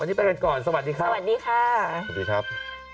วันนี้ไปกันก่อนสวัสดีครับ